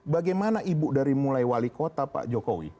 bagaimana ibu dari mulai wali kota pak jokowi